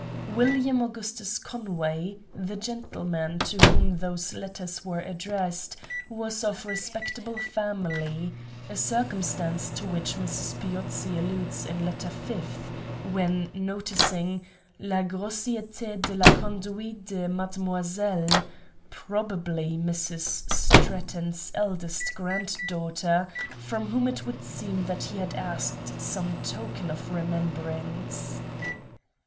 William Augustus Conway, the gentleman to whom those letters were addressed, was of respectable family, a circumstance to which Mrs. Piozzi alludes in letter 5th, when noticing ({ la grossierte de la conduit de Mademoi selle," — probably " Mrs. Stratton's eldest granddaughter," from Avhom it would seem that he had asked some token of remembrance.